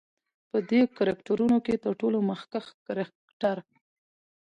په دې کرکترونو کې تر ټولو مخکښ کرکتر